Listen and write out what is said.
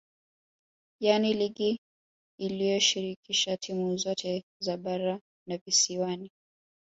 Yaani ligi iliyoshirikisha timu zote za bara na visiwani